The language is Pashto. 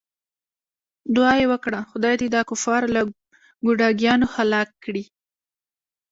دعا یې وکړه خدای دې دا کفار له ګوډاګیانو هلاک کړي.